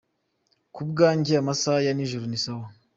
Ku bwanjye amasaha ya ninjoro ni sawa.